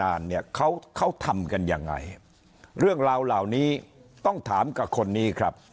งานเนี่ยเขาเขาทำกันยังไงเรื่องราวเหล่านี้ต้องถามกับคนนี้ครับ